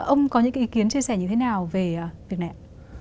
ông có những ý kiến chia sẻ như thế nào về việc này ạ